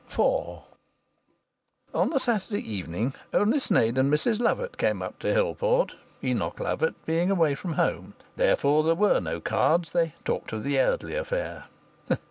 IV On the Saturday evening only Sneyd and Mrs Lovatt came up to Hillport, Enoch Lovatt being away from home. Therefore there were no cards; they talked of the Eardley affair.